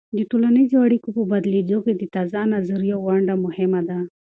د ټولنیزو اړیکو په بدلیدو کې د تازه نظریو ونډه مهمه ده.